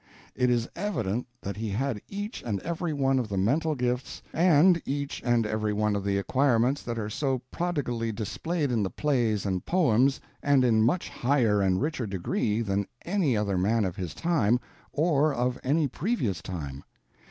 It is evident that he had each and every one of the mental gifts and each and every one of the acquirements that are so prodigally displayed in the Plays and Poems, and in much higher and richer degree than any other man of his time or of any previous time.